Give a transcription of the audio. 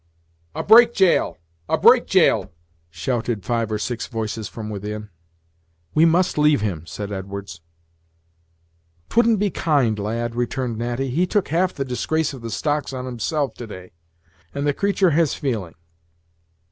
"A break jail! a break jail!" shouted five or six voices from within. "We must leave him," said Edwards. "'Twouldn't be kind, lad," returned Natty; "he took half the disgrace of the stocks on himself to day, and the creatur' has feeling."